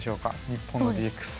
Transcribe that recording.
日本のＤＸ。